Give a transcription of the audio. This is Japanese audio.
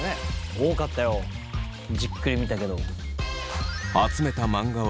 多かったよじっくり見たけど。